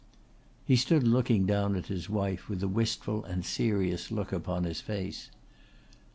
He stood looking down at his wife with a wistful and serious look upon his face.